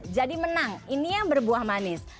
jadi menang ini yang berbuah manis